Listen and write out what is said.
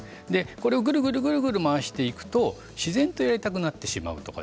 これをぐるぐる回していくと自然とやりたくなってしまう。